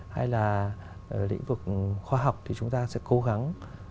hay là lĩnh vực khoa học thì chúng ta sẽ cố gắng